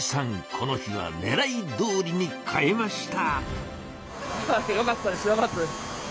この日はねらいどおりに買えました。